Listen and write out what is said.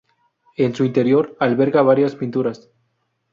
En su interior alberga varias pinturas.